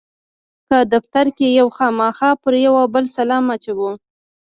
که دفتر کې یو خامخا پر یو او بل سلام اچوو.